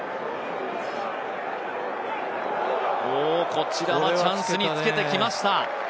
こちらはチャンスにつけてきました。